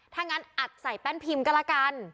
ถ้างั้นอัดใส่แป้นพิมพ์ก็แล้วกัน